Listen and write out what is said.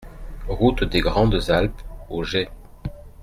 Route des Grandes Alpes aux Gets